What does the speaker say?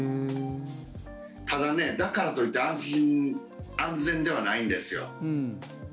ただ、だからといって安全ではないんですよ。